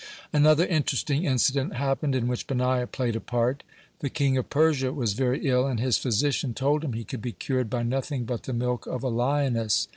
(96) Another interesting incident happened, in which Benaiah played a part. The king of Persia was very ill, and his physician told him he could be cured by nothing but the milk of a lioness.